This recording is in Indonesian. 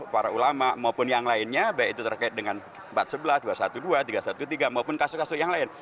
para ulama maupun yang lainnya baik itu terkait dengan empat sebelas dua ratus dua belas tiga ratus tiga belas maupun kasus kasus yang lain